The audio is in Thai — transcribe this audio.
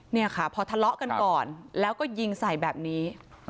เนี่ยค่ะพอทะเลาะกันก่อนแล้วก็ยิงใส่แบบนี้